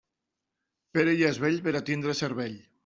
Pere ja és vell per a tindre cervell.